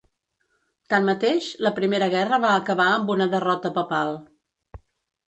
Tanmateix, la primera guerra va acabar amb una derrota papal.